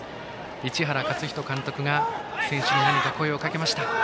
市原勝人監督が選手に何か声をかけました。